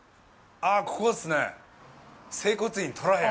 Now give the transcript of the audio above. あ、ここっすねえ。